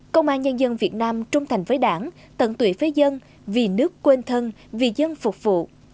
công an nhân dân việt nam trung thành với đảng tận tụy với dân vì nước quên thân vì dân phục vụ